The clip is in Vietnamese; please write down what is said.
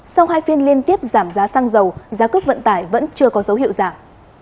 sau hai phiên liên tiếp giảm giá xăng dầu giá cước vận tải vẫn chưa có dấu hiệu giảm